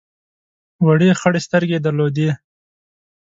وړې خړې سترګې یې درلودې.